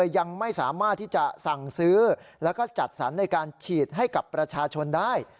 ยังไม่สามารถที่จะสั่งซื้อแล้วก็จัดสรรในการฉีดให้กับประชาชนได้